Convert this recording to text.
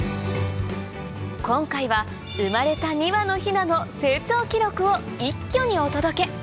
今回は生まれた２羽のヒナの成長記録を一挙にお届け！